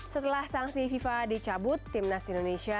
setelah sanksi fifa dicabut tim nasional indonesia